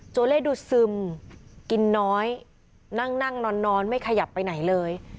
เล่ดูซึมกินน้อยนั่งนั่งนอนไม่ขยับไปไหนเลย